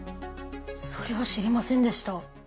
それは知りませんでした。